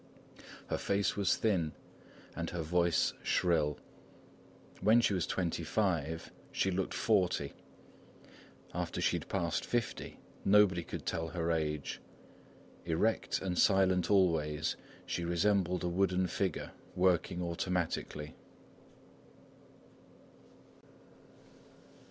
Her face was thin and her voice shrill. When she was twenty five, she looked forty. After she had passed fifty, nobody could tell her age; erect and silent always, she resembled a wooden figure working automatically.